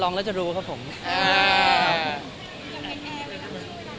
ครับครับครับครับครับครับครับครับครับครับครับ